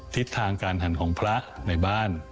ทิศทางการหันของพระในบ้าน